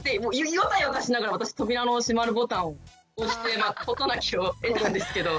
ヨタヨタしながら私扉の閉まるボタンを押して事なきを得たんですけど。